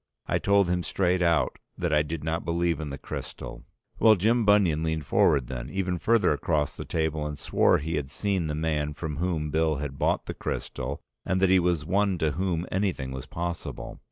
I told him straight out that I did not believe in the crystal. Well, Jim Bunion leaned forward then, even further across the table, and swore he had seen the man from whom Bill had bought the crystal and that he was one to whom anything was possible.